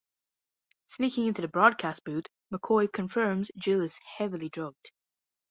Sneaking into the broadcast booth, McCoy confirms Gill is heavily drugged.